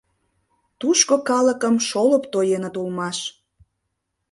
Тушко калыкым шолып тоеныт улмаш.